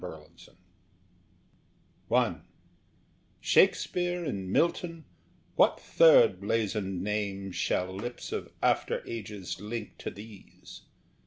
TENNYSON I Shakespeare and Milton what third blazoned name Shall lips of after ages link to these?